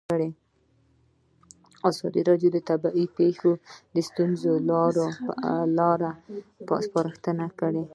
ازادي راډیو د طبیعي پېښې د ستونزو حل لارې سپارښتنې کړي.